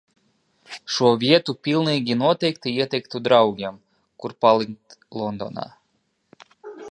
Šo vietu pilnīgi noteikti ieteiktu draugiem, kur palikt Londonā.